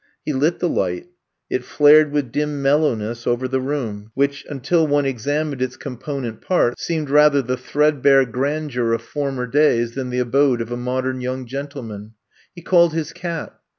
He lit the light, it flared with dim mellowness over the room, which, until one examined its component parts, seemed rather the threadbare grandeur of former days than the abode of a modern young gentleman. He called his cat.